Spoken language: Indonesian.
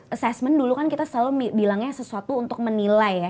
assessment dulu kan kita selalu bilangnya sesuatu untuk menilai ya